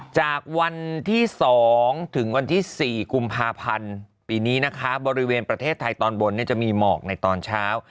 จากวันที่๒ถึงวันที่๔กุมภาพันธ์ปีนี้นะคะบริเวณประเทศไทยตอนบนจะมีหมอกในตอนเช้า